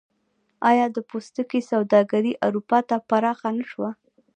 آیا د پوستکي سوداګري اروپا ته پراخه نشوه؟